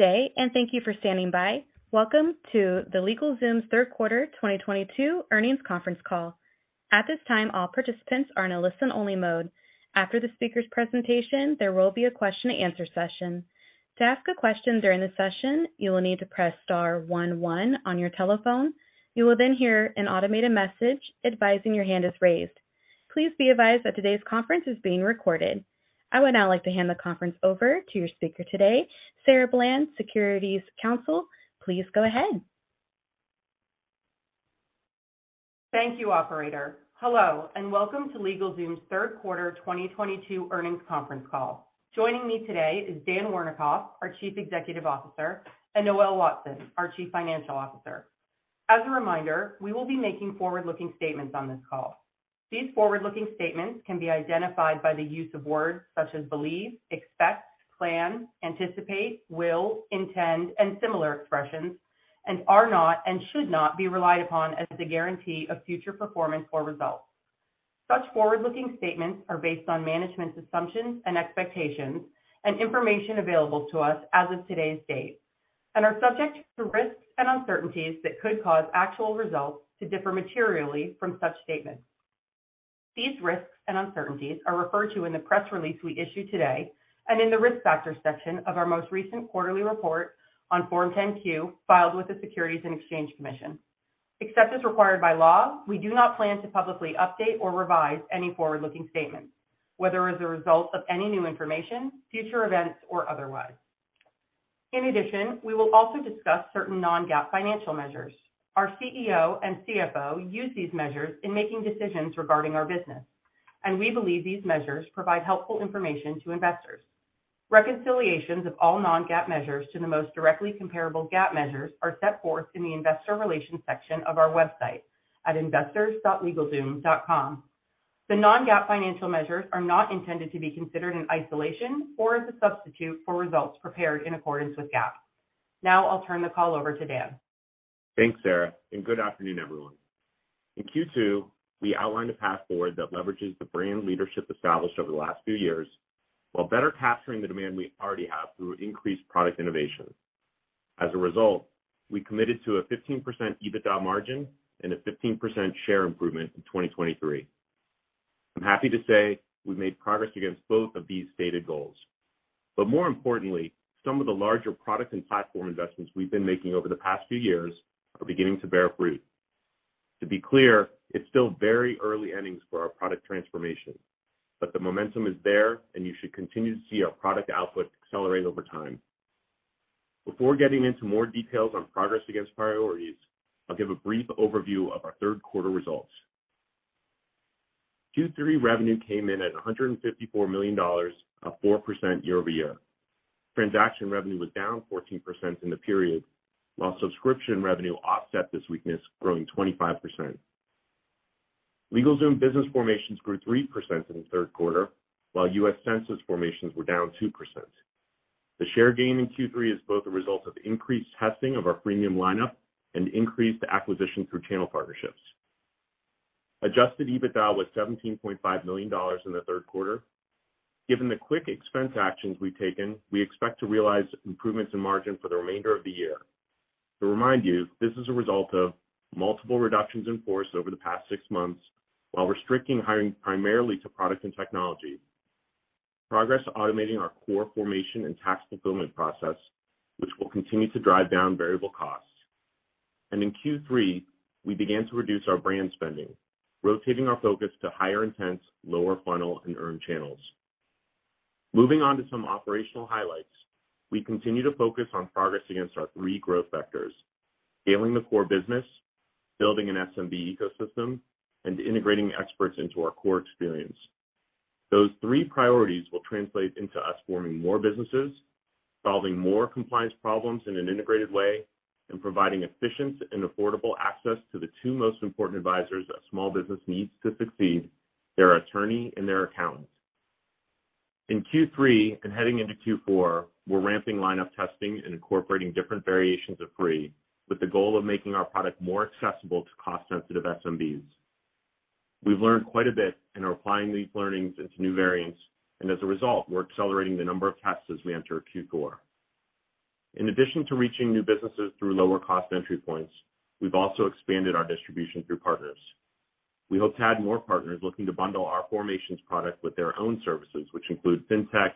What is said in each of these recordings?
Good day, and thank you for standing by. Welcome to the LegalZoom's Q3 2022 Earnings Conference call. At this time, all participants are in a listen-only mode. After the speaker's presentation, there will be a question and answer session. To ask a question during the session, you will need to press star one one on your telephone. You will then hear an automated message advising your hand is raised. Please be advised that today's conference is being recorded. I would now like to hand the conference over to your speaker today, Sarah Bland, Securities Counsel. Please go ahead. Thank you, operator. Hello, and welcome to LegalZoom's Q3 2022 Earnings Conference Call. Joining me today is Dan Wernikoff, our Chief Executive Officer, and Noel Watson, our Chief Financial Officer. As a reminder, we will be making forward-looking statements on this call. These forward-looking statements can be identified by the use of words such as believe, expect, plan, anticipate, will, intend, and similar expressions, and are not and should not be relied upon as a guarantee of future performance or results. Such forward-looking statements are based on management's assumptions and expectations and information available to us as of today's date and are subject to risks and uncertainties that could cause actual results to differ materially from such statements. These risks and uncertainties are referred to in the press release we issued today and in the Risk Factors section of our most recent quarterly report on Form 10-Q filed with the Securities and Exchange Commission. Except as required by law, we do not plan to publicly update or revise any forward-looking statements, whether as a result of any new information, future events, or otherwise. In addition, we will also discuss certain Non-GAAP financial measures. Our CEO and CFO use these measures in making decisions regarding our business, and we believe these measures provide helpful information to investors. Reconciliations of all Non-GAAP measures to the most directly comparable GAAP measures are set forth in the Investor Relations section of our website at investors.legalzoom.com. The Non-GAAP financial measures are not intended to be considered in isolation or as a substitute for results prepared in accordance with GAAP. Now I'll turn the call over to Dan. Thanks, Sarah, and good afternoon, everyone. In Q2, we outlined a path forward that leverages the brand leadership established over the last few years while better capturing the demand we already have through increased product innovation. As a result, we committed to a 15% EBITDA margin and a 15% share improvement in 2023. I'm happy to say we made progress against both of these stated goals. More importantly, some of the larger product and platform investments we've been making over the past few years are beginning to bear fruit. To be clear, it's still very early innings for our product transformation, but the momentum is there, and you should continue to see our product output accelerate over time. Before getting into more details on progress against priorities, I'll give a brief overview of our third quarter results. Q3 revenue came in at $154 million, up 4% year-over-year. Transaction revenue was down 14% in the period, while subscription revenue offset this weakness, growing 25%. LegalZoom business formations grew 3% in the Q3, while U.S. Census formations were down 2%. The share gain in Q3 is both a result of increased testing of our premium lineup and increased acquisition through channel partnerships. Adjusted EBITDA was $17.5 million in the Q3. Given the quick expense actions we've taken, we expect to realize improvements in margin for the remainder of the year. To remind you, this is a result of multiple reductions in force over the past six months while restricting hiring primarily to product and technology, progress automating our core formation and tax fulfillment process, which will continue to drive down variable costs. In Q3, we began to reduce our brand spending, rotating our focus to higher intent, lower funnel, and earned channels. Moving on to some operational highlights. We continue to focus on progress against our three growth vectors, scaling the core business, building an SMB ecosystem, and integrating experts into our core experience. Those three priorities will translate into us forming more businesses, solving more compliance problems in an integrated way, and providing efficient and affordable access to the two most important advisors a small business needs to succeed, their attorney and their accountant. In Q3 and heading into Q4, we're ramping lineup testing and incorporating different variations of free with the goal of making our product more accessible to cost-sensitive SMBs. We've learned quite a bit and are applying these learnings into new variants, and as a result, we're accelerating the number of tests as we enter Q4. In addition to reaching new businesses through lower cost entry points, we've also expanded our distribution through partners. We hope to add more partners looking to bundle our formations product with their own services, which include Fintech,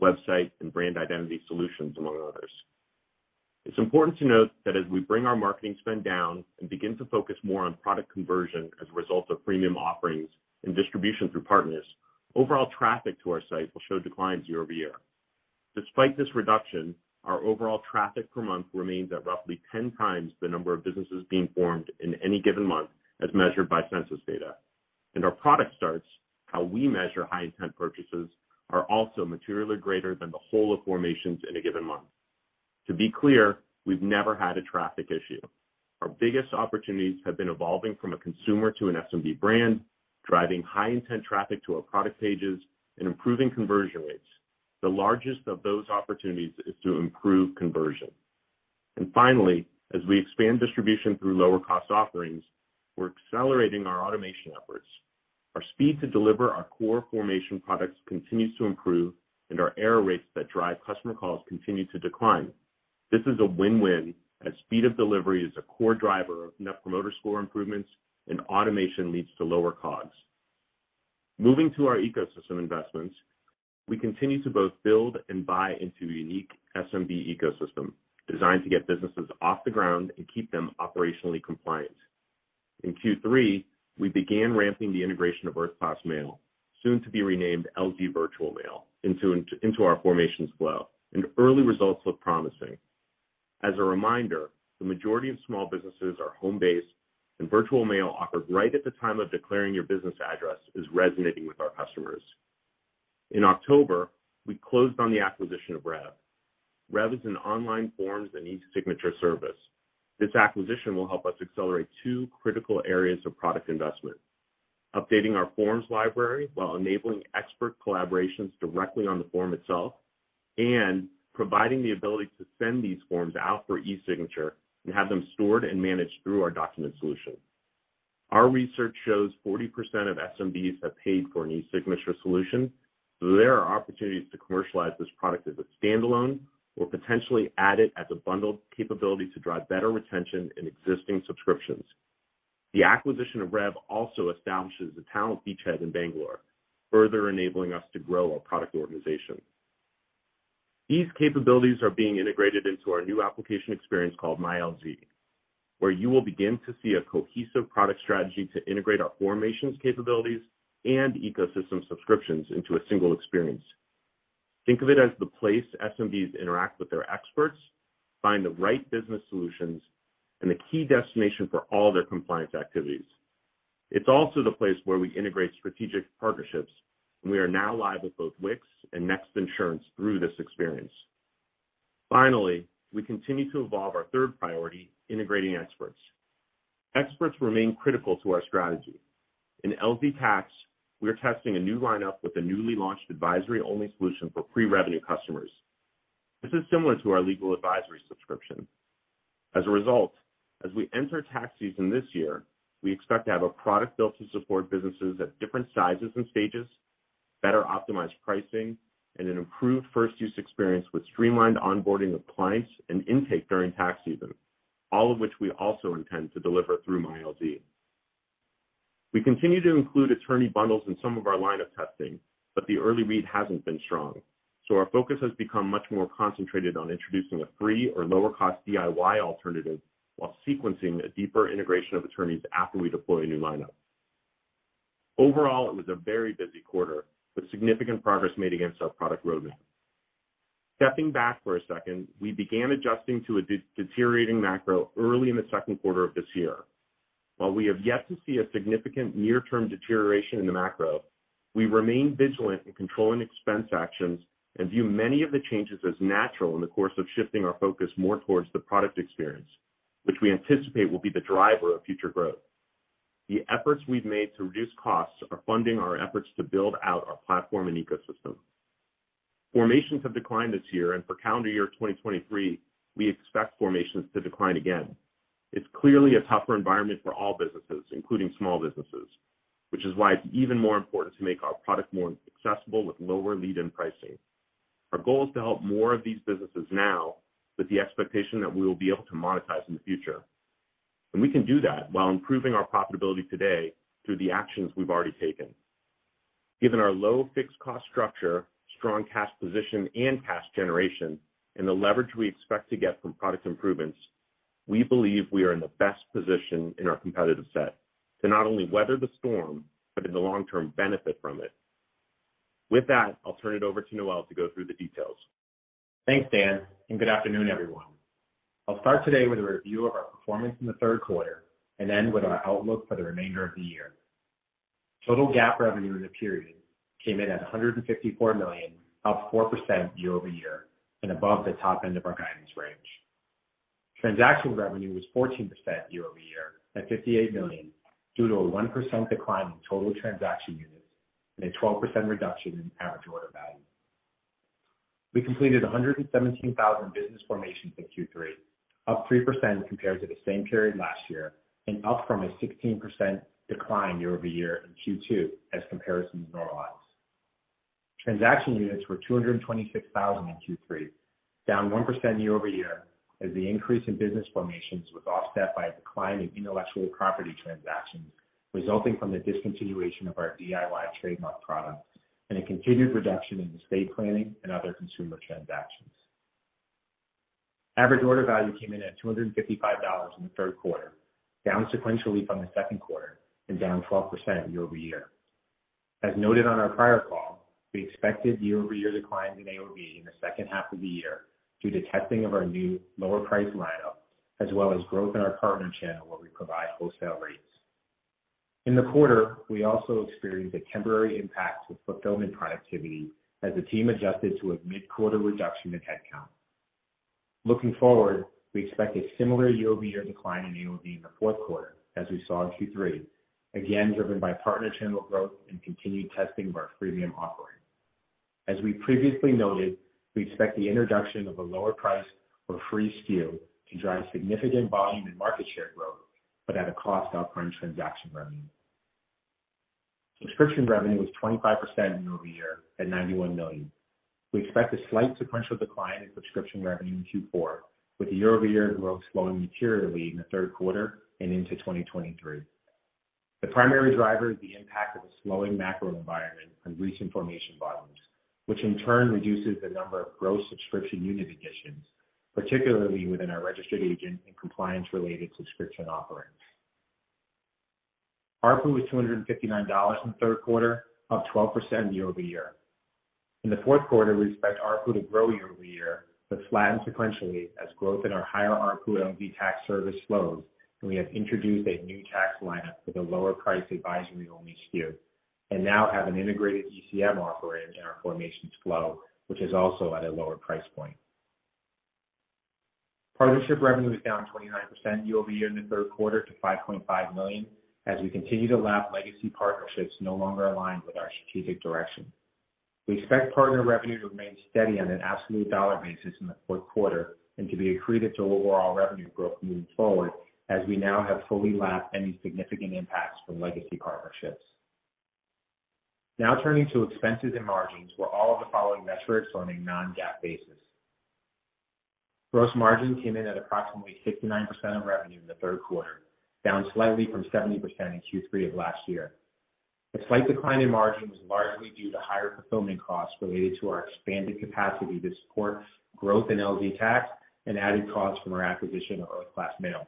website, and brand identity solutions, among others. It's important to note that as we bring our marketing spend down and begin to focus more on product conversion as a result of premium offerings and distribution through partners, overall traffic to our site will show declines year-over-year. Despite this reduction, our overall traffic per month remains at roughly 10x the number of businesses being formed in any given month as measured by Census data. Our product starts, how we measure high intent purchases, are also materially greater than the whole of formations in a given month. To be clear, we've never had a traffic issue. Our biggest opportunities have been evolving from a consumer to an SMB brand, driving high intent traffic to our product pages, and improving conversion rates. The largest of those opportunities is to improve conversion. Finally, as we expand distribution through lower cost offerings, we're accelerating our automation efforts. Our speed to deliver our core formation products continues to improve, and our error rates that drive customer calls continue to decline. This is a win-win, as speed of delivery is a core driver of net promoter score improvements and automation leads to lower costs. Moving to our ecosystem investments, we continue to both build and buy into a unique SMB ecosystem designed to get businesses off the ground and keep them operationally compliant. In Q3, we began ramping the integration of Earth Class Mail, soon to be renamed LZ Virtual Mail, into our formations flow, and early results look promising. As a reminder, the majority of small businesses are home-based, and virtual mail offered right at the time of declaring your business address is resonating with our customers. In October, we closed on the acquisition of Revv. Revv is an online forms and e-signature service. This acquisition will help us accelerate two critical areas of product investment, updating our forms library while enabling expert collaborations directly on the form itself, and providing the ability to send these forms out for e-signature and have them stored and managed through our document solution. Our research shows 40% of SMBs have paid for an e-signature solution, so there are opportunities to commercialize this product as a standalone or potentially add it as a bundled capability to drive better retention in existing subscriptions. The acquisition of Revv also establishes a talent beachhead in Bangalore, further enabling us to grow our product organization. These capabilities are being integrated into our new application experience called MyLZ, where you will begin to see a cohesive product strategy to integrate our formations capabilities and ecosystem subscriptions into a single experience. Think of it as the place SMBs interact with their experts, find the right business solutions, and the key destination for all their compliance activities. It's also the place where we integrate strategic partnerships, and we are now live with both Wix and NEXT Insurance through this experience. Finally, we continue to evolve our third priority, integrating experts. Experts remain critical to our strategy. In LZ Tax, we're testing a new lineup with a newly launched advisory-only solution for pre-revenue customers. This is similar to our legal advisory subscription. As a result, as we enter tax season this year, we expect to have a product built to support businesses at different sizes and stages, better optimized pricing, and an improved first use experience with streamlined onboarding of clients and intake during tax season, all of which we also intend to deliver through MyLZ. We continue to include attorney bundles in some of our lineup testing, but the early read hasn't been strong, so our focus has become much more concentrated on introducing a free or lower-cost DIY alternative while sequencing a deeper integration of attorneys after we deploy a new lineup. Overall, it was a very busy quarter with significant progress made against our product roadmap. Stepping back for a second, we began adjusting to a deteriorating macro-early in the Q2 of this year. While we have yet to see a significant near-term deterioration in the macro, we remain vigilant in controlling expense actions and view many of the changes as natural in the course of shifting our focus more towards the product experience, which we anticipate will be the driver of future growth. The efforts we've made to reduce costs are funding our efforts to build out our platform and ecosystem. Formations have declined this year, and for calendar year 2023, we expect formations to decline again. It's clearly a tougher environment for all businesses, including small businesses, which is why it's even more important to make our product more accessible with lower lead-in pricing. Our goal is to help more of these businesses now with the expectation that we will be able to monetize in the future. We can do that while improving our profitability today through the actions we've already taken. Given our low fixed cost structure, strong cash position, and cash generation, and the leverage we expect to get from product improvements, we believe we are in the best position in our competitive set to not only weather the storm, but in the long term benefit from it. With that, I'll turn it over to Noel to go through the details. Thanks, Dan, and good afternoon, everyone. I'll start today with a review of our performance in the third quarter and end with our outlook for the remainder of the year. Total GAAP revenue in the period came in at $154 million, up 4% year-over-year, and above the top end of our guidance range. Transaction revenue was 14% year-over-year at $58 million, due to a 1% decline in total transaction units and a 12% reduction in average order value. We completed 117,000 business formations in Q3, up 3% compared to the same period last year and up from a 16% decline year-over-year in Q2 as comparisons normalize. Transaction units were 226,000 in Q3, down 1% year-over-year as the increase in business formations was offset by a decline in intellectual property transactions resulting from the discontinuation of our DIY trademark product and a continued reduction in estate planning and other consumer transactions. Average order value came in at $255 in the third quarter, down sequentially from the second quarter and down 12% year-over-year. As noted on our prior call, we expected year-over-year declines in AOV in the second half of the year due to testing of our new lower price lineup as well as growth in our partner channel where we provide wholesale rates. In the quarter, we also experienced a temporary impact to fulfillment productivity as the team adjusted to a mid-quarter reduction in headcount. Looking forward, we expect a similar year-over-year decline in AOV in the Q4 as we saw in Q3, again driven by partner channel growth and continued testing of our freemium offering. As we previously noted, we expect the introduction of a lower price or free SKU to drive significant volume and market share growth, but at a cost to our current transaction revenue. Subscription revenue was 25% year-over-year at $91 million. We expect a slight sequential decline in subscription revenue in Q4, with the year-over-year growth slowing materially in the third quarter and into 2023. The primary driver is the impact of a slowing macro environment on recent formation volumes, which in turn reduces the number of gross subscription unit additions, particularly within our registered agent and compliance-related subscription offerings. ARPU was $259 in the Q3, up 12% year-over-year. In the fourth quarter, we expect ARPU to grow year-over-year, but flatten sequentially as growth in our higher ARPU LZ Tax service slows, and we have introduced a new tax lineup with a lower price advisory-only SKU, and now have an integrated ECM offering in our formations flow, which is also at a lower price point. Partnership revenue was down 29% year-over-year in the third quarter to $5.5 million as we continue to lap legacy partnerships no longer aligned with our strategic direction. We expect partner revenue to remain steady on an absolute dollar basis in the Q4 and to be accretive to overall revenue growth moving forward as we now have fully lapped any significant impacts from legacy partnerships. Now turning to expenses and margins, where all of the following metrics are on a Non-GAAP basis. Gross margin came in at approximately 69% of revenue in the Q3, down slightly from 70% in Q3 of last year. The slight decline in margin was largely due to higher fulfillment costs related to our expanded capacity to support growth in LZ Tax and added costs from our acquisition of Earth Class Mail.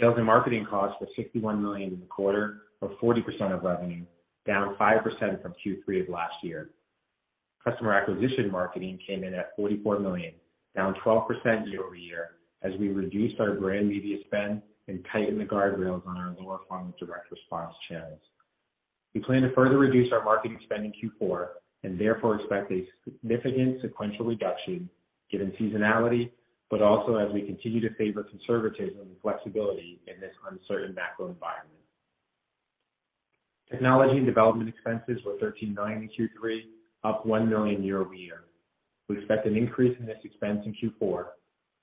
Sales and marketing costs were $61 million in the quarter, or 40% of revenue, down 5% from Q3 of last year. Customer acquisition marketing came in at $44 million, down 12% year-over-year as we reduced our brand media spend and tightened the guardrails on our lower-funnel direct response channels. We plan to further reduce our marketing spend in Q4 and therefore expect a significant sequential reduction given seasonality, but also as we continue to favor conservatism and flexibility in this uncertain macro environment. Technology and development expenses were $13 million in Q3, up $1 million year-over-year. We expect an increase in this expense in Q4,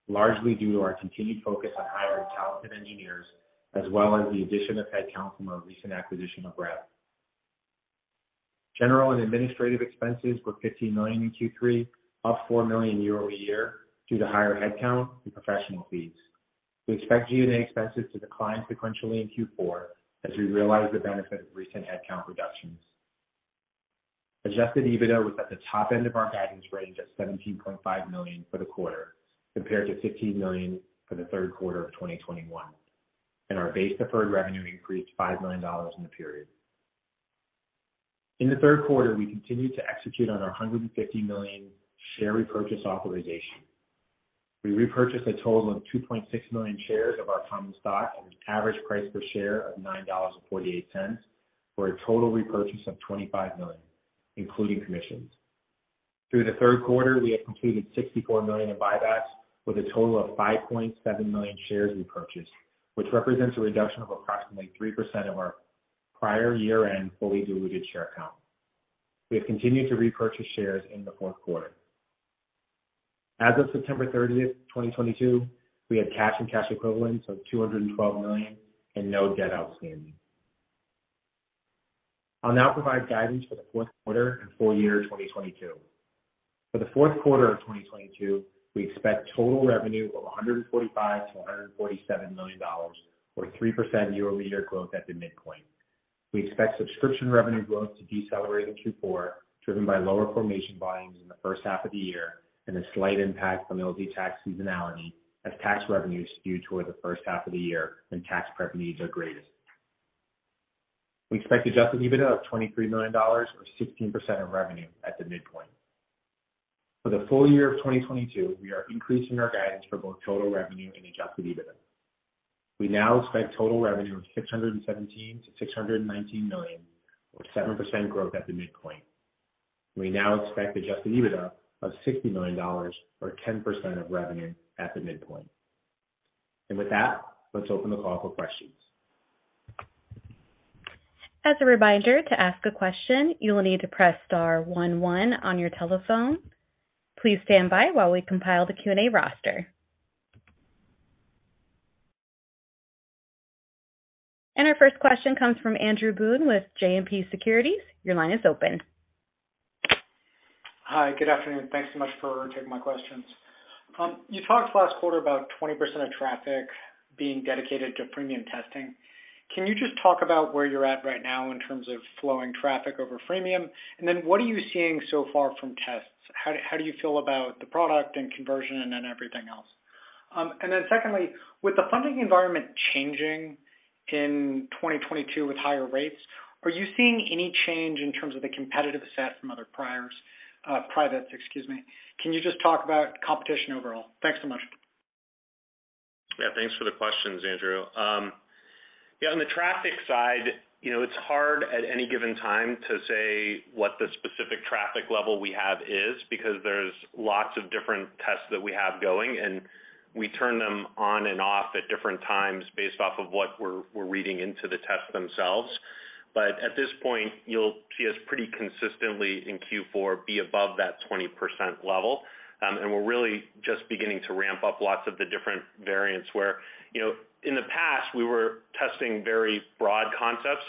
largely due to our continued focus on hiring talented engineers as well as the addition of headcount from our recent acquisition of Revv. General and administrative expenses were $15 million in Q3, up $4 million year-over-year due to higher headcount and professional fees. We expect G&A expenses to decline sequentially in Q4 as we realize the benefit of recent headcount reductions. Adjusted EBITDA was at the top end of our guidance range at $17.5 million for the quarter, compared to $15 million for the third quarter of 2021, and our base deferred revenue increased $5 million in the period. In the third quarter, we continued to execute on our $150 million share repurchase authorization. We repurchased a total of 2.6 million shares of our common stock at an average price per share of $9.48 for a total repurchase of $25 million, including commissions. Through the third quarter, we have completed $64 million in buybacks with a total of 5.7 million shares repurchased, which represents a reduction of approximately 3% of our prior year-end fully diluted-share count. We have continued to repurchase shares in the Q4. As of September 30, 2022, we had cash and cash equivalents of $212 million and no debt outstanding. I'll now provide guidance for the Q4 and full year of 2022. For the fourth quarter of 2022, we expect total revenue of $145-$147 million, or 3% year-over-year growth at the midpoint. We expect subscription revenue growth to decelerate in Q4, driven by lower formation volumes in the first half of the year and a slight impact from LZ Tax seasonality as tax revenues skew toward the first half of the year when tax prep needs are greatest. We expect adjusted EBITDA of $23 million or 16% of revenue at the midpoint. For the full year of 2022, we are increasing our guidance for both total revenue and adjusted EBITDA. We now expect total revenue of $617 million-$619 million, or 7% growth at the midpoint. We now expect adjusted EBITDA of $60 million or 10% of revenue at the midpoint. With that, let's open the call for questions. As a reminder, to ask a question, you will need to press star one one on your telephone. Please stand by while we compile the Q&A roster. Our first question comes from Andrew Boone with JMP Securities. Your line is open. Hi, good afternoon. Thanks so much for taking my questions. You talked last quarter about 20% of traffic being dedicated to premium testing. Can you just talk about where you're at right now in terms of flowing traffic over freemium? And then what are you seeing so far from tests? How do you feel about the product and conversion and everything else? And then secondly, with the funding environment changing in 2022 with higher rates, are you seeing any change in terms of the competitive set from other privates? Can you just talk about competition overall? Thanks so much. Yeah, thanks for the questions, Andrew. Yeah, on the traffic side, you know, it's hard at any given time to say what the specific traffic level we have is because there's lots of different tests that we have going, and we turn them on and off at different times based off of what we're reading into the tests themselves. At this point, you'll see us pretty consistently in Q4 be above that 20% level. We're really just beginning to ramp up lots of the different variants where, you know, in the past, we were testing very broad concepts.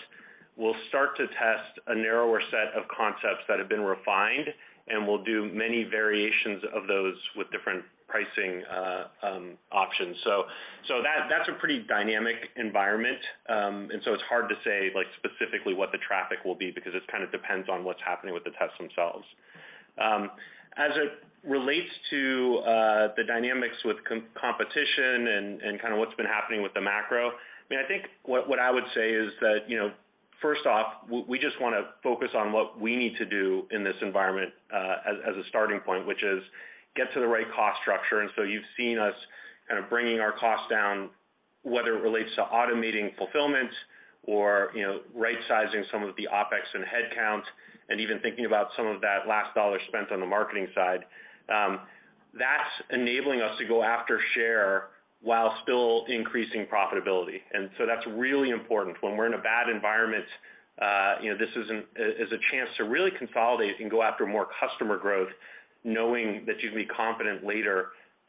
We'll start to test a narrower set of concepts that have been refined, and we'll do many variations of those with different pricing options. That's a pretty dynamic environment. It's hard to say, like, specifically what the traffic will be because it kind of depends on what's happening with the tests themselves. As it relates to the dynamics with competition and kinda what's been happening with the macro, I mean, I think what I would say is that, you know, first off, we just wanna focus on what we need to do in this environment, as a starting point, which is get to the right cost structure. You've seen us kind of bringing our costs down, whether it relates to automating fulfillment or, you know, rightsizing some of the OPEX and headcount, and even thinking about some of that last dollar spent on the marketing side. That's enabling us to go after share while still increasing profitability. That's really important. When we're in a bad environment, you know, this is a chance to really consolidate and go after more customer growth, knowing that you can be confident later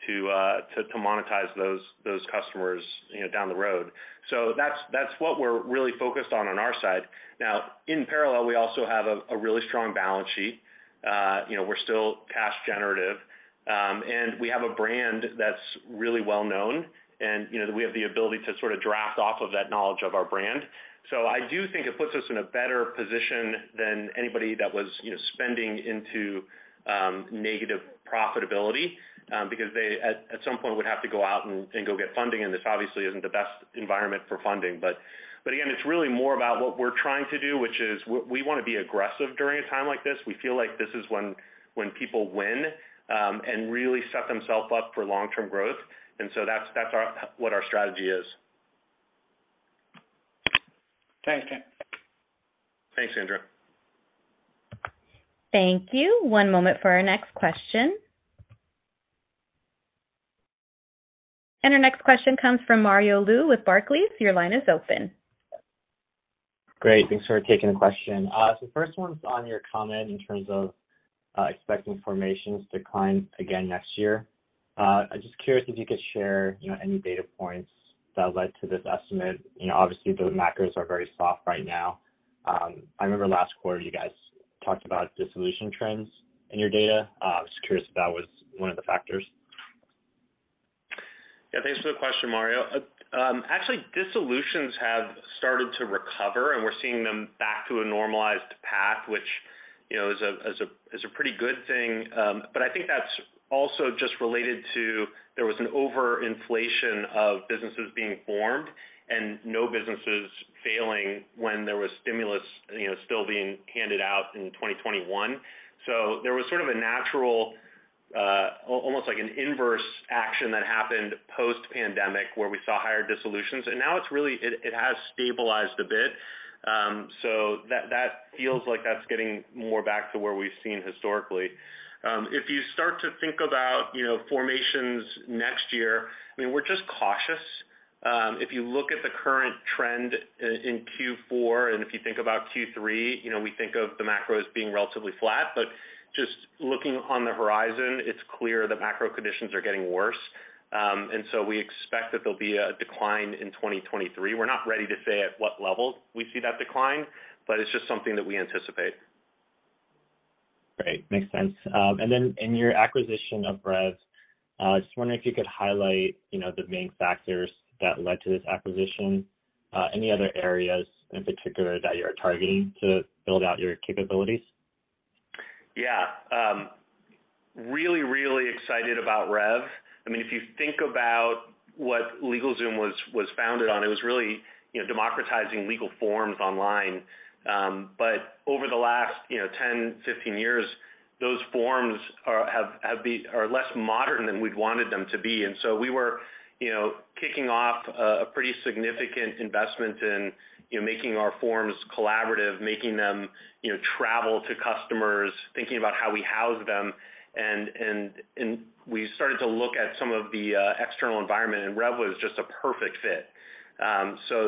to monetize those customers, you know, down the road. That's what we're really focused on our side. Now, in parallel, we also have a really strong balance sheet. You know, we're still cash generative, and we have a brand that's really well known, and you know, we have the ability to sorta draft off of that knowledge of our brand. I do think it puts us in a better position than anybody that was, you know, spending into negative profitability, because they at some point would have to go out and go get funding, and this obviously isn't the best environment for funding. Again, it's really more about what we're trying to do, which is we wanna be aggressive during a time like this. We feel like this is when people win, and really set them self up for long-term growth. That's what our strategy is. Thanks, Dan Wernikoff. Thanks, Andrew. Thank you. One moment for our next question. Our next question comes from Mario Lu with Barclays. Your line is open. Great. Thanks for taking the question. First one's on your comment in terms of expecting formations decline again next year. I'm just curious if you could share, you know, any data points that led to this estimate. You know, obviously, the macros are very soft right now. I remember last quarter you guys talked about dissolution trends in your data. I was curious if that was one of the factors. Yeah. Thanks for the question, Mario. Actually, dissolutions have started to recover, and we're seeing them back to a normalized path, which, you know, is a pretty good thing. But I think that's also just related to there was an over-inflation of businesses being formed and no businesses failing when there was stimulus, you know, still being handed out in 2021. There was sort of a natural almost like an inverse action that happened post-pandemic, where we saw higher dissolutions. Now it has stabilized a bit. That feels like that's getting more back to where we've seen historically. If you start to think about, you know, formations next year, I mean, we're just cautious. If you look at the current trend in Q4, and if you think about Q3, you know, we think of the macro as being relatively flat. Just looking on the horizon, it's clear the macro conditions are getting worse. We expect that there'll be a decline in 2023. We're not ready to say at what level we see that decline, but it's just something that we anticipate. Great. Makes sense. In your acquisition of Revv, I was just wondering if you could highlight, you know, the main factors that led to this acquisition. Any other areas in particular that you're targeting to build out your capabilities? Yeah. Really, really excited about Revv. I mean, if you think about what LegalZoom was founded on, it was really, you know, democratizing legal forms online. Over the last, you know, 10, 15 years, those forms have been less modern than we'd wanted them to be. We were, you know, kicking off a pretty significant investment in, you know, making our forms collaborative, making them, you know, travel to customers, thinking about how we house them, and we started to look at some of the external environment, and Revv was just a perfect fit.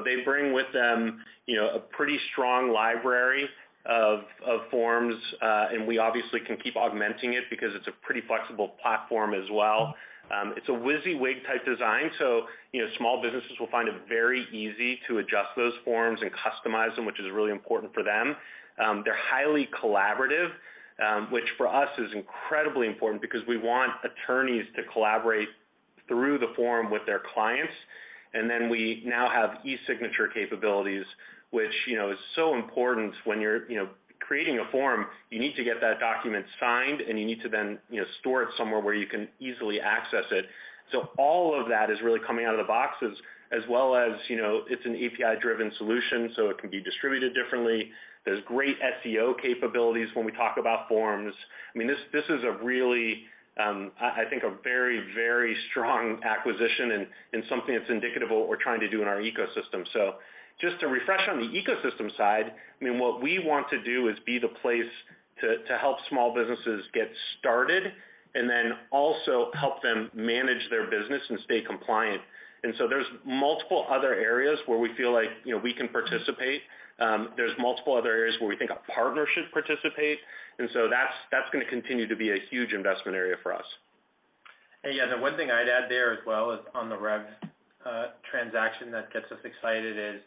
They bring with them, you know, a pretty strong library of forms. We obviously can keep augmenting it because it's a pretty flexible platform as well. It's a WYSIWYG-type design, so, you know, small businesses will find it very easy to adjust those forms and customize them, which is really important for them. They're highly collaborative, which for us is incredibly important because we want attorneys to collaborate through the form with their clients. Then we now have e-signature capabilities, which, you know, is so important when you're, you know, creating a form, you need to get that document signed, and you need to then, you know, store it somewhere where you can easily access it. All of that is really coming out of the boxes as well as, you know, it's an API-driven solution, so it can be distributed differently. There's great SEO capabilities when we talk about forms. I mean, this is a really, I think a very strong acquisition and something that's indicative of what we're trying to do in our ecosystem. Just to refresh on the ecosystem side, I mean, what we want to do is be the place to help small businesses get started and then also help them manage their business and stay compliant. There's multiple other areas where we feel like, you know, we can participate. There's multiple other areas where we think a partner should participate, and so that's gonna continue to be a huge investment area for us. Yeah, the one thing I'd add there as well is on the Revv transaction that gets us excited is,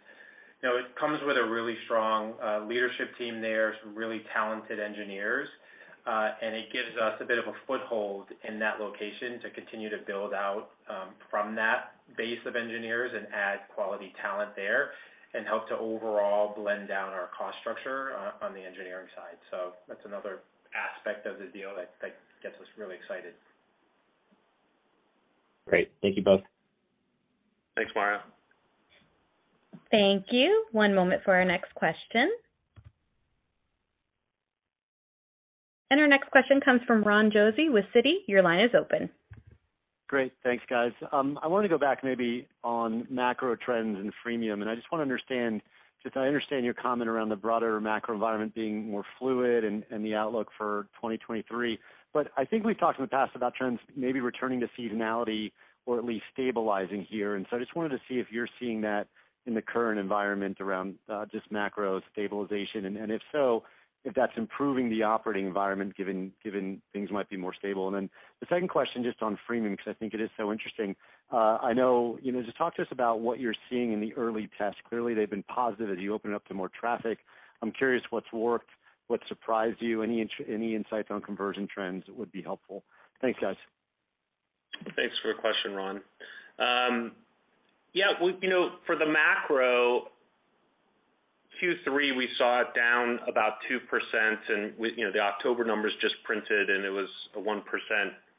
you know, it comes with a really strong leadership team there, some really talented engineers, and it gives us a bit of a foothold in that location to continue to build out from that base of engineers and add quality talent there and help to overall blend down our cost structure on the engineering side. That's another aspect of the deal that gets us really excited. Great. Thank you both. Thanks, Mario. Thank you. One moment for our next question. Our next question comes from Ron Josey with Citi. Your line is open. Great. Thanks, guys. I wanted to go back maybe on macro-trends and freemium, and I just wanna understand, just I understand your comment around the broader macro-environment being more fluid and the outlook for 2023. I think we've talked in the past about trends maybe returning to seasonality or at least stabilizing here. I just wanted to see if you're seeing that in the current environment around just macro-stabilization. If so, if that's improving the operating environment given things might be more stable. Then the second question just on freemium, 'cause I think it is so interesting. I know, you know, just talk to us about what you're seeing in the early tests. Clearly, they've been positive as you open up to more traffic. I'm curious what's worked, what surprised you. Any insights on conversion trends would be helpful. Thanks, guys. Thanks for the question, Ron. Yeah, well, you know, for the macro, Q3 we saw it down about 2% and we, you know, the October numbers just printed and it was a 1%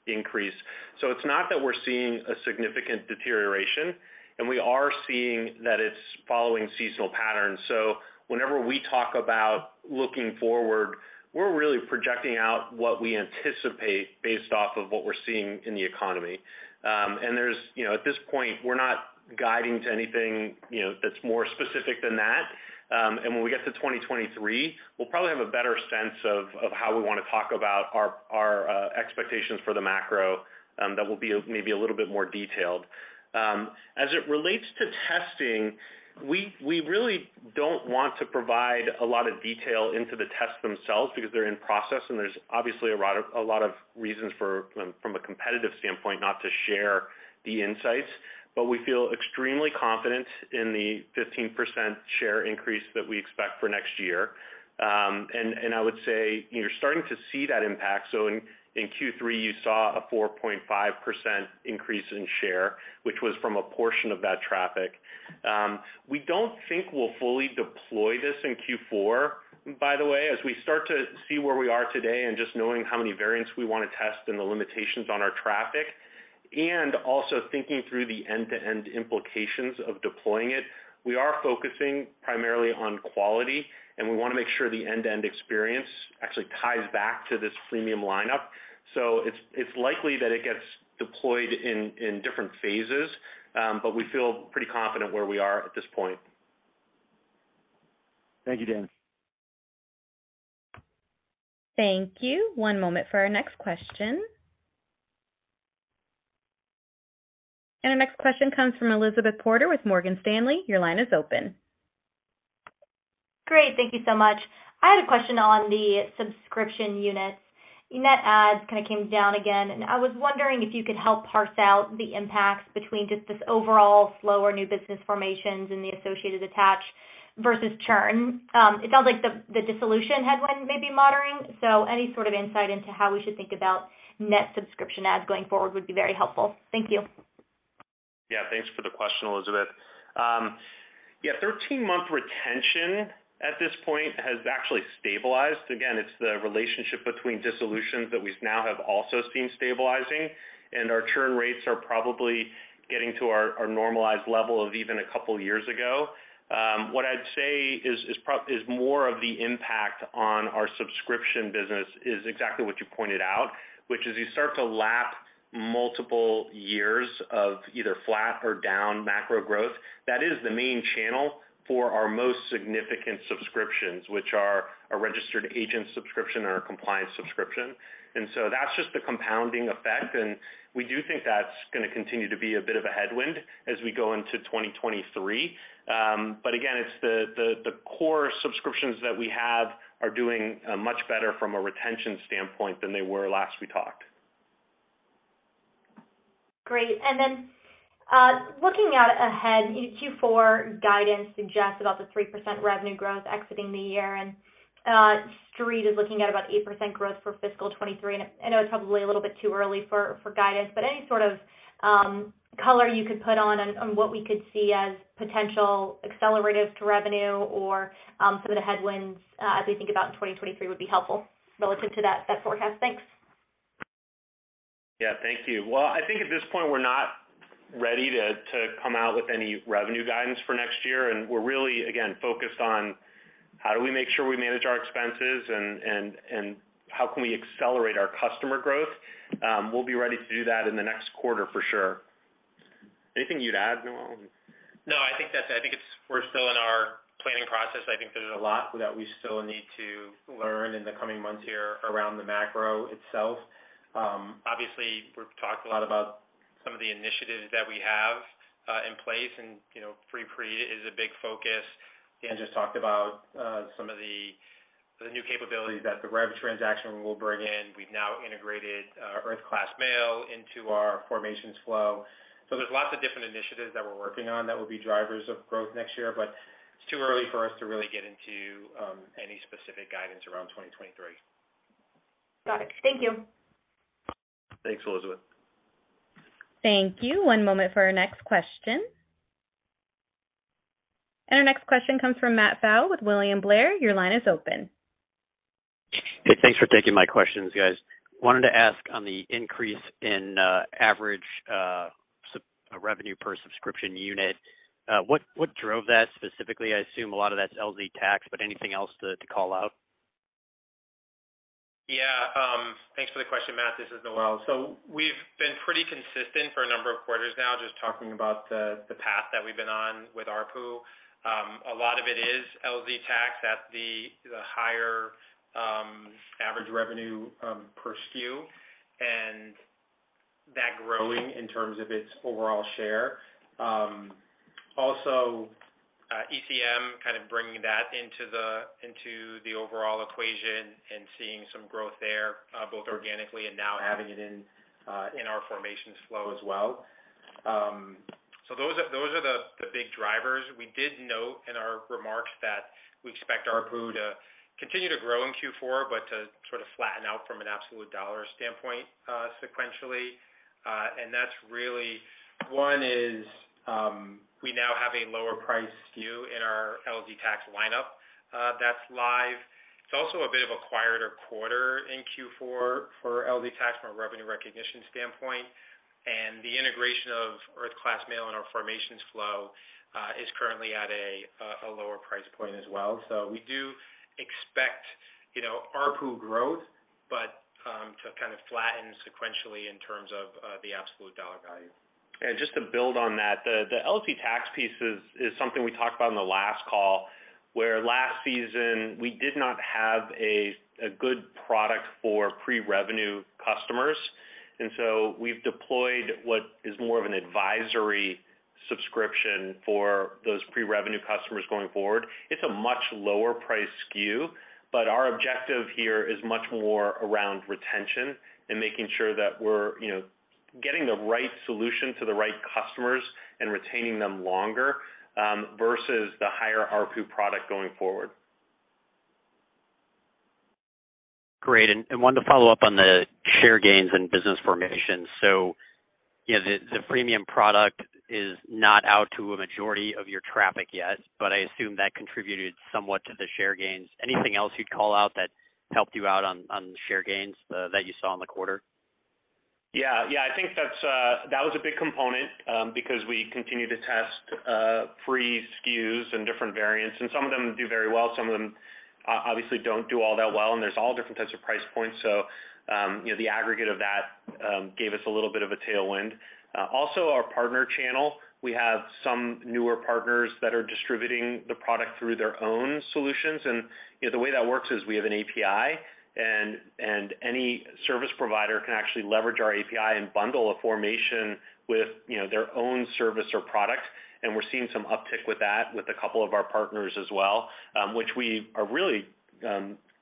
increase. It's not that we're seeing a significant deterioration, and we are seeing that it's following seasonal patterns. Whenever we talk about looking forward, we're really projecting out what we anticipate based off of what we're seeing in the economy. And there's, you know, at this point, we're not guiding to anything, you know, that's more specific than that. When we get to 2023, we'll probably have a better sense of how we wanna talk about our expectations for the macro that will be maybe a little bit more detailed. As it relates to testing, we really don't want to provide a lot of detail into the tests themselves because they're in process and there's obviously a lot of reasons from a competitive standpoint not to share the insights. We feel extremely confident in the 15% share increase that we expect for next year. I would say you're starting to see that impact. In Q3, you saw a 4.5% increase in share, which was from a portion of that traffic. We don't think we'll fully deploy this in Q4, by the way, as we start to see where we are today and just knowing how many variants we wanna test and the limitations on our traffic, and also thinking through the end-to-end implications of deploying it. We are focusing primarily on quality, and we wanna make sure the end-to-end experience actually ties back to this freemium lineup. It's likely that it gets deployed in different phases, but we feel pretty confident where we are at this point. Thank you, Dan. Thank you. One moment for our next question. Our next question comes from Elizabeth Porter with Morgan Stanley. Your line is open. Great. Thank you so much. I had a question on the subscription units. Net adds kinda came down again. I was wondering if you could help parse out the impacts between just this overall slower new business formations and the associated attach versus churn. It sounds like the dissolution headwind may be moderating, so any sort of insight into how we should think about net subscription adds going forward would be very helpful. Thank you. Yeah. Thanks for the question, Elizabeth. Yeah, 13-month retention at this point has actually stabilized. Again, it's the relationship between dissolutions that we've now also seen stabilizing, and our churn rates are probably getting to our normalized level of even a couple years ago. What I'd say is more of the impact on our subscription business is exactly what you pointed out, which is you start to lap multiple years of either flat or down macro growth. That is the main channel for our most significant subscriptions, which are a registered agent subscription or a compliance subscription. That's just a compounding effect, and we do think that's gonna continue to be a bit of a headwind as we go into 2023. Again, it's the core subscriptions that we have are doing much better from a retention standpoint than they were last we talked. Great. Looking out ahead, Q4 guidance suggests about a 3% revenue growth exiting the year, and Street is looking at about 8% growth for fiscal 2023. I know it's probably a little bit too early for guidance, but any sort of color you could put on what we could see as potential acceleratives to revenue or some of the headwinds as we think about in 2023 would be helpful relative to that forecast. Thanks. Yeah. Thank you. Well, I think at this point we're not ready to come out with any revenue guidance for next year, and we're really, again, focused on how do we make sure we manage our expenses and how can we accelerate our customer growth. We'll be ready to do that in the next quarter for sure. Anything you'd add, Noel? No, I think we're still in our planning process. I think there's a lot that we still need to learn in the coming months here around the macro itself. Obviously, we've talked a lot about some of the initiatives that we have in place, and, you know, freemium is a big focus. Dan just talked about some of the new capabilities that the Revv transaction will bring in. We've now integrated Earth Class Mail into our formations flow. There's lots of different initiatives that we're working on that will be drivers of growth next year, but it's too early for us to really get into any specific guidance around 2023. Got it. Thank you. Thanks, Elizabeth. Thank you. One moment for our next question. Our next question comes from Matt Pfau with William Blair. Your line is open. Hey, thanks for taking my questions, guys. Wanted to ask on the increase in average subscription revenue per subscription unit, what drove that specifically? I assume a lot of that's LZ Tax, but anything else to call out? Yeah, thanks for the question, Matt. This is Noel. We've been pretty consistent for a number of quarters now, just talking about the path that we've been on with ARPU. A lot of it is LZ Tax. That's the higher average revenue per SKU, and that growing in terms of its overall share. Also, ECM kind of bringing that into the overall equation and seeing some growth there, both organically and now having it in our formations flow as well. Those are the big drivers. We did note in our remarks that we expect ARPU to continue to grow in Q4, but to sort of flatten out from an absolute dollar stand-point, sequentially. That's really one. We now have a lower price SKU in our LZ Tax lineup, that's live. It's also a bit of a quieter quarter in Q4 for LZ Tax from a revenue recognition standpoint. The integration of Earth Class Mail in our formations flow is currently at a lower price point as well. We do expect, you know, ARPU growth, but to kind of flatten sequentially in terms of the absolute dollar value. Yeah, just to build on that, the LZ Tax piece is something we talked about on the last call, where last season we did not have a good product for pre-revenue customers. We've deployed what is more of an advisory subscription for those pre-revenue customers going forward. It's a much lower price SKU, but our objective here is much more around retention and making sure that we're, you know, getting the right solution to the right customers and retaining them longer versus the higher ARPU product going forward. Great. Wanted to follow up on the share gains in business formation. You know, the premium product is not out to a majority of your traffic yet, but I assume that contributed somewhat to the share gains. Anything else you'd call out that helped you out on the share gains that you saw in the quarter? Yeah. I think that's that was a big component because we continue to test free SKUs and different variants, and some of them do very well, some of them obviously don't do all that well, and there's all different types of price points. You know, the aggregate of that gave us a little bit of a tailwind. Also our partner channel, we have some newer partners that are distributing the product through their own solutions. You know, the way that works is we have an API and any service provider can actually leverage our API and bundle a formation with their own service or product. We're seeing some uptick with that with a couple of our partners as well, which we are really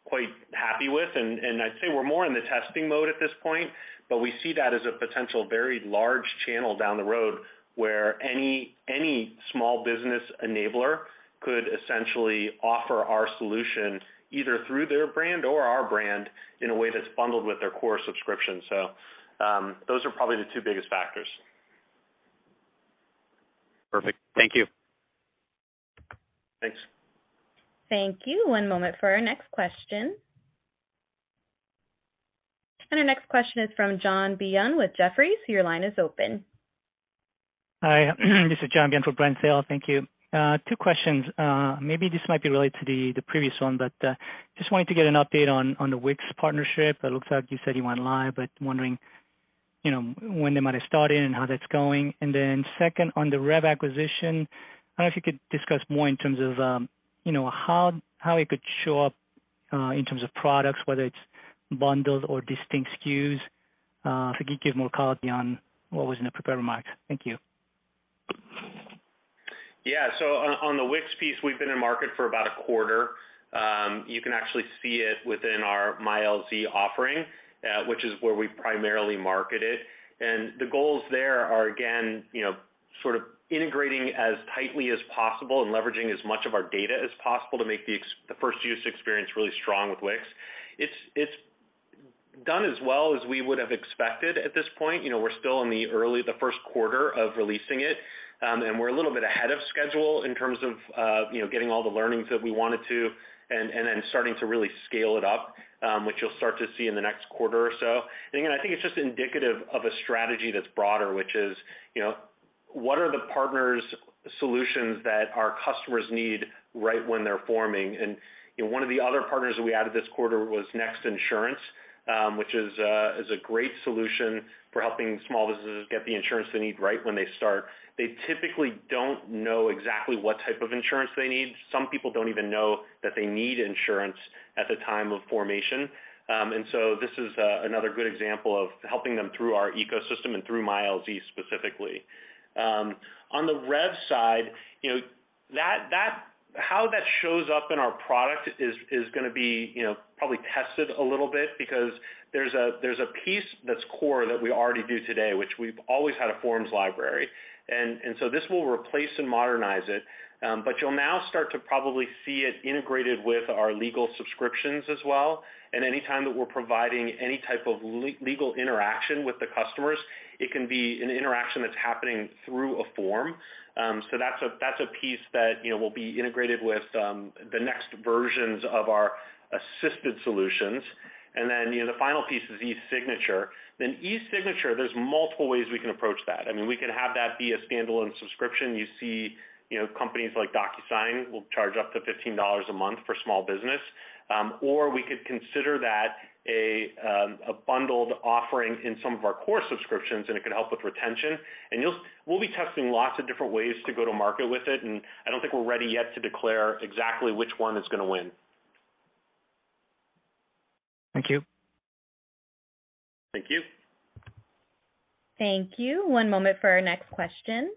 quite happy with. I'd say we're more in the testing mode at this point, but we see that as a potential very large channel down the road, where any small business enabler could essentially offer our solution either through their brand or our brand in a way that's bundled with their core subscription. Those are probably the two biggest factors. Perfect. Thank you. Thanks. Thank you. One moment for our next question. Our next question is from John Byun with Jefferies. Your line is open. Hi. This is John Byun from Brent Thill. Thank you. Two questions. Maybe this might be related to the previous one, but just wanted to get an update on the Wix partnership. It looks like you said you went live, but wondering, you know, when they might have started and how that's going. Then second, on the Revv acquisition, I don't know if you could discuss more in terms of, you know, how it could show up in terms of products, whether it's bundles or distinct SKUs. If you could give more color beyond what was in the prepared remarks. Thank you. Yeah. On the Wix piece, we've been in market for about a quarter. You can actually see it within our MyLZ offering, which is where we primarily market it. The goals there are again, you know, sort of integrating as tightly as possible and leveraging as much of our data as possible to make the first use experience really strong with Wix. It's done as well as we would have expected at this point. You know, we're still in the first quarter of releasing it. We're a little bit ahead of schedule in terms of, you know, getting all the learnings that we wanted to and then starting to really scale it up, which you'll start to see in the next quarter or so. again, I think it's just indicative of a strategy that's broader, which is, you know, what are the partner solutions that our customers need right when they're forming? You know, one of the other partners that we added this quarter was NEXT Insurance, which is a great solution for helping small businesses get the insurance they need right when they start. They typically don't know exactly what type of insurance they need. Some people don't even know that they need insurance at the time of formation. This is another good example of helping them through our ecosystem and through MyLZ specifically. On the rev side, you know, how that shows up in our product is gonna be, you know, probably tested a little bit because there's a piece that's core that we already do today, which we've always had a forms library, and so this will replace and modernize it. But you'll now start to probably see it integrated with our legal subscriptions as well. Any time that we're providing any type of legal interaction with the customers, it can be an interaction that's happening through a form. That's a piece that, you know, will be integrated with the next versions of our assisted solutions. Then, you know, the final piece is eSignature. eSignature, there's multiple ways we can approach that. I mean, we can have that be a standalone subscription. You see, you know, companies like DocuSign will charge up to $15 a month for small business. We could consider that a bundled offering in some of our core subscriptions, and it could help with retention. We'll be testing lots of different ways to go to market with it, and I don't think we're ready yet to declare exactly which one is gonna win. Thank you. Thank you. Thank you. One moment for our next question.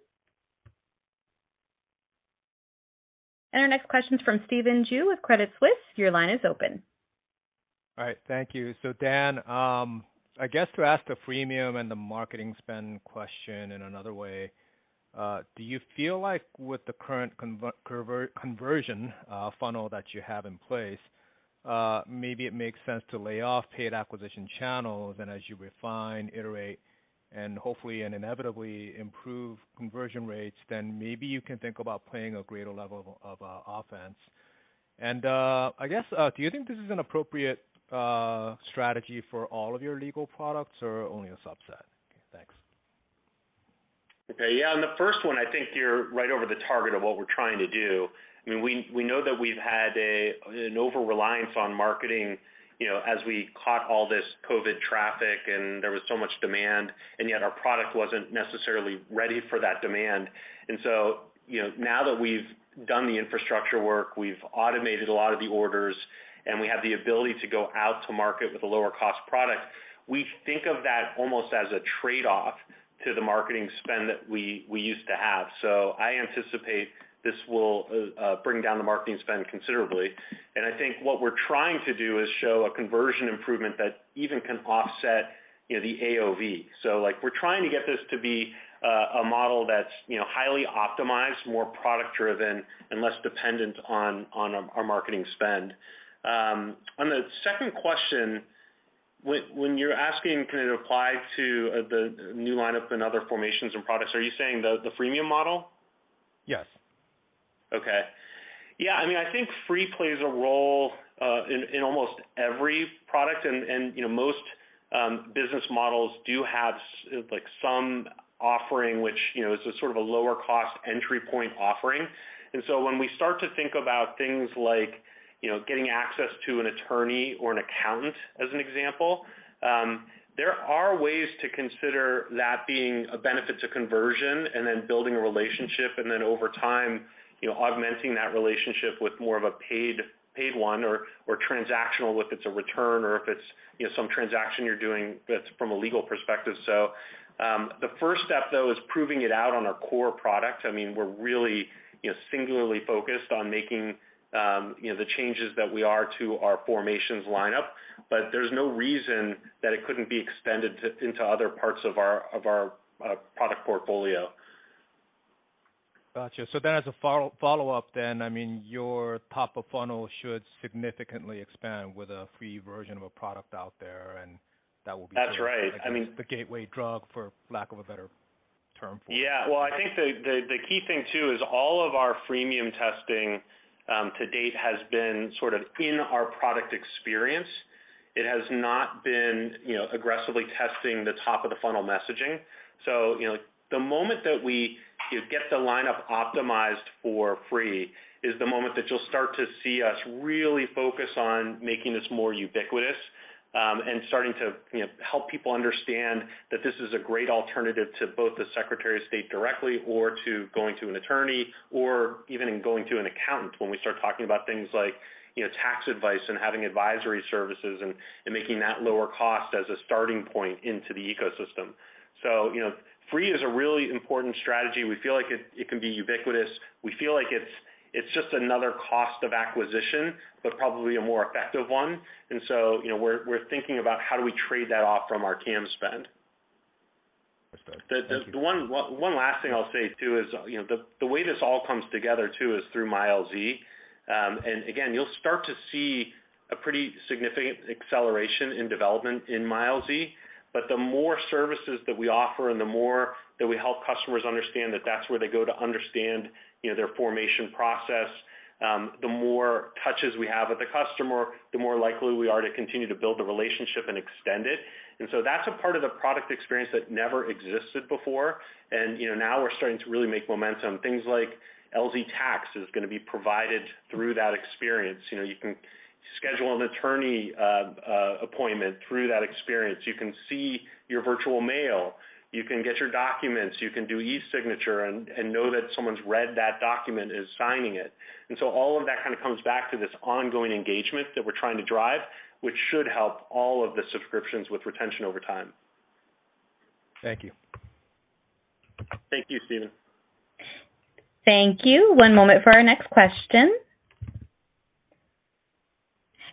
Our next question is from Stephen Ju with Credit Suisse. Your line is open. All right. Thank you. Dan, I guess to ask the freemium and the marketing spend question in another way, do you feel like with the current conversion funnel that you have in place, maybe it makes sense to lay-off paid acquisition channels, and as you refine, iterate, and hopefully and inevitably improve conversion rates, then maybe you can think about playing a greater level of offense. I guess, do you think this is an appropriate strategy for all of your legal products or only a sub-set? Thanks. Okay. Yeah. On the first one, I think you're right over the target of what we're trying to do. I mean, we know that we've had an over-reliance on marketing, you know, as we caught all this COVID traffic and there was so much demand, and yet our product wasn't necessarily ready for that demand. You know, now that we've done the infrastructure work, we've automated a lot of the orders, and we have the ability to go out to market with a lower cost product, we think of that almost as a trade-off to the marketing spend that we used to have. I anticipate this will bring down the marketing spend considerably. I think what we're trying to do is show a conversion improvement that even can offset, you know, the AOV. Like, we're trying to get this to be a model that's, you know, highly optimized, more product-driven and less dependent on our marketing spend. On the second question, when you're asking can it apply to the new lineup and other formations and products, are you saying the freemium model? Yes. Okay. Yeah. I mean, I think free plays a role in almost every product and, you know, most business models do have like some offering, which, you know, is a sort of a lower cost entry point offering. When we start to think about things like, you know, getting access to an attorney or an accountant as an example, there are ways to consider that being a benefit to conversion and then building a relationship and then over time, you know, augmenting that relationship with more of a paid one or transactional if it's a return or if it's, you know, some transaction you're doing that's from a legal perspective. The first step, though, is proving it out on our core product. I mean, we're really, you know, singularly focused on making, you know, the changes that we are to our formations lineup. There's no reason that it couldn't be expanded into other parts of our product portfolio. Gotcha. As a follow-up then, I mean, your top of funnel should significantly expand with a free version of a product out there, and that will be. That's right. The gateway drug for lack of a better term for it. Yeah. Well, I think the key thing too is all of our freemium testing to date has been sort of in our product experience. It has not been, you know, aggressively testing the top of the funnel messaging. You know, the moment that we, you know, get the lineup optimized for free is the moment that you'll start to see us really focus on making this more ubiquitous, and starting to, you know, help people understand that this is a great alternative to both the Secretary of State directly or to going to an attorney or even going to an accountant when we start talking about things like, you know, tax advice and having advisory services and making that lower cost as a starting point into the eco-system. You know, free is a really important strategy. We feel like it can be ubiquitous. We feel like it's just another cost of acquisition, but probably a more effective one. You know, we're thinking about how do we trade that off from our TAM spend. One last thing I'll say, too, is, you know, the way this all comes together too is through MyLZ. And again, you'll start to see a pretty significant acceleration in development in MyLZ. The more services that we offer and the more that we help customers understand that that's where they go to understand, you know, their formation process, the more touches we have with the customer, the more likely we are to continue to build the relationship and extend it. That's a part of the product experience that never existed before. You know, now we're starting to really make momentum. Things like LZ Tax is gonna be provided through that experience. You know, you can schedule an attorney appointment through that experience. You can see your virtual mail. You can get your documents. You can do e-signature and know that someone's read that document and is signing it. All of that kinda comes back to this ongoing engagement that we're trying to drive, which should help all of the subscriptions with retention over time. Thank you. Thank you, Stephen. Thank you. One moment for our next question.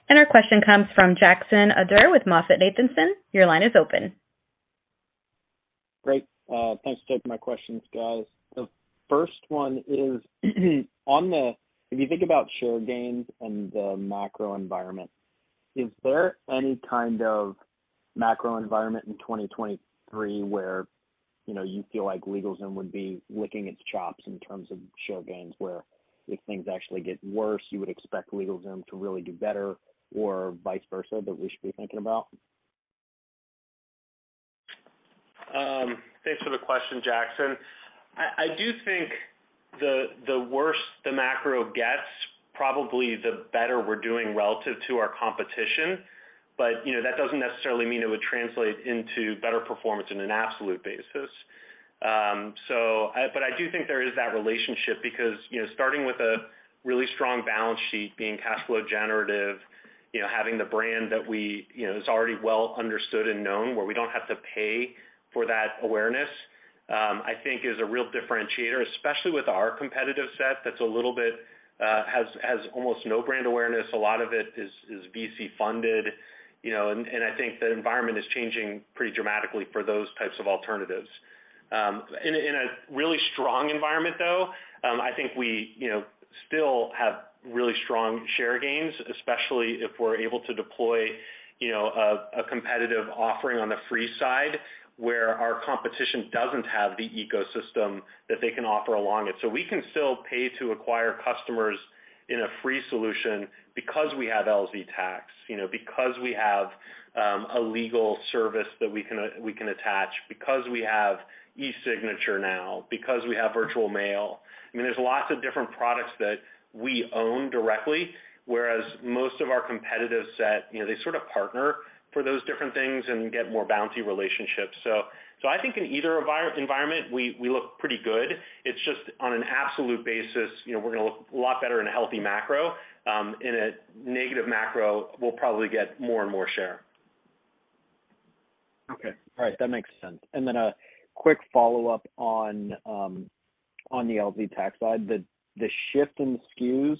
Our question comes from Jackson Ader with MoffettNathanson. Your line is open. Great. Thanks for taking my questions, guys. The first one is on the if you think about share gains and the macro environment, is there any kind of macro-environment in 2023 where, you know, you feel like LegalZoom would be licking its chops in terms of share gains, where if things actually get worse, you would expect LegalZoom to really do better or vice versa that we should be thinking about? Thanks for the question, Jackson. I do think the worse the macro gets, probably the better we're doing relative to our competition. You know, that doesn't necessarily mean it would translate into better performance in an absolute basis. I do think there is that relationship because you know, starting with a really strong balance sheet, being cash flow generative, you know, having the brand that we you know is already well understood and known, where we don't have to pay for that awareness, I think is a real differentiator, especially with our competitive set that's a little bit has almost no brand awareness. A lot of it is VC-funded, you know, and I think the environment is changing pretty dramatically for those types of alternatives. In a really strong environment, though, I think we, you know, still have really strong share gains, especially if we're able to deploy, you know, a competitive offering on the free side, where our competition doesn't have the ecosystem that they can offer along it. We can still pay to acquire customers in a free solution because we have LZ Tax, you know, because we have a legal service that we can attach, because we have e-signature now, because we have Virtual Mail. I mean, there's lots of different products that we own directly, whereas most of our competitive set, you know, they sort of partner for those different things and get more bumpy relationships. I think in either environment, we look pretty good. It's just on an absolute basis, you know, we're gonna look a lot better in a healthy macro. In a negative macro, we'll probably get more and more share. Okay. All right. That makes sense. A quick follow-up on the LZ Tax side. The shift in SKUs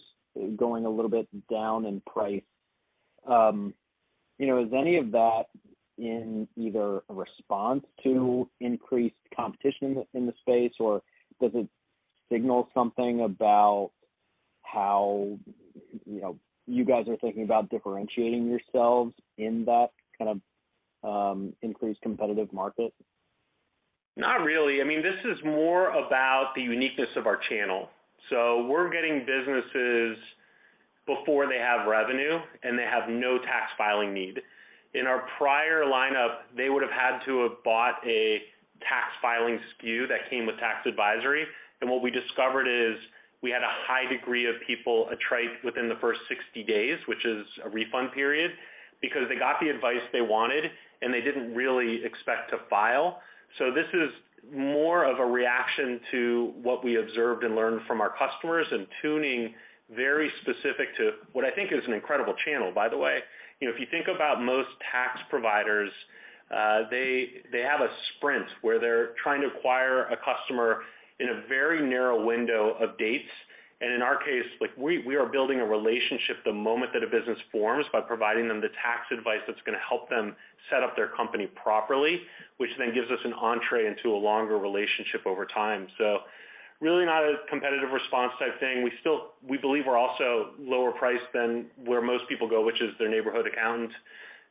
going a little bit down in price, you know, is any of that in either a response to increased competition in the space, or does it signal something about how, you know, you guys are thinking about differentiating yourselves in that kind of increased competitive market? Not really. I mean, this is more about the uniqueness of our channel. We're getting businesses before they have revenue, and they have no tax filing need. In our prior lineup, they would've had to have bought a tax filing SKU that came with tax advisory. What we discovered is we had a high degree of people attrite within the first 60 days, which is a refund period, because they got the advice they wanted, and they didn't really expect to file. This is more of a reaction to what we observed and learned from our customers and tuning very specific to what I think is an incredible channel, by the way. You know, if you think about most tax providers, they have a sprint where they're trying to acquire a customer in a very narrow window of dates. In our case, like, we are building a relationship the moment that a business forms by providing them the tax advice that's gonna help them set up their company properly, which then gives us an entry into a longer relationship over time. Really not a competitive response type thing. We believe we're also lower priced than where most people go, which is their neighborhood accountant.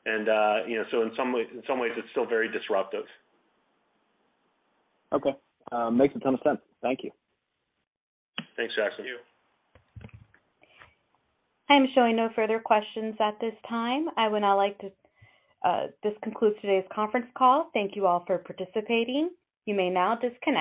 You know, in some ways, it's still very disruptive. Okay. Makes a ton of sense. Thank you. Thanks, Jackson. I'm showing no further questions at this time. This concludes today's conference call. Thank you all for participating. You may now disconnect.